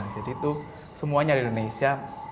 jadi itu semuanya di indonesia